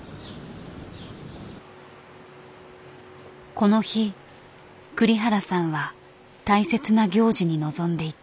この日栗原さんは大切な行事に臨んでいた。